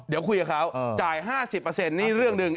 เดี๋ยวคุยกับเขาจ่าย๕๐นี่เรื่องหนึ่ง